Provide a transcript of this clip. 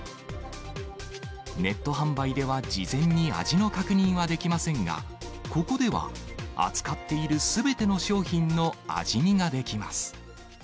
ネット販売では事前に味の確認はできませんが、ここでは、扱っているすべての商品の味見ができます。